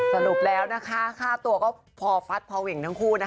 สรุปแล้วนะคะค่าตัวก็พอฟัดพอเหว่งทั้งคู่นะคะ